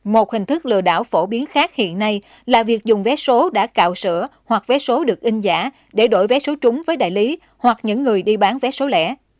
một hình thức lừa đảo phổ biến khác hiện nay là việc dùng vé số đã cạo sữa hoặc vé số được in giả để đổi vé số chúng với đại lý hoặc những người đi bán vé số lẻ